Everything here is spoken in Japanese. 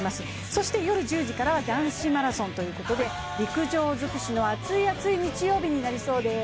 そして夜１０時からは男子マラソンということで陸上づくしの熱い熱い日曜日になりそうです。